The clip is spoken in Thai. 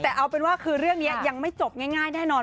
แต่เอาเป็นว่าคือเรื่องนี้ยังไม่จบง่ายแน่นอน